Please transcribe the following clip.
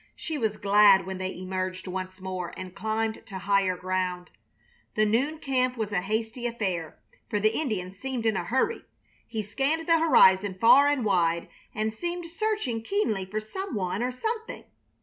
She was glad when they emerged once more and climbed to higher ground. The noon camp was a hasty affair, for the Indian seemed in a hurry. He scanned the horizon far and wide and seemed searching keenly for some one or something.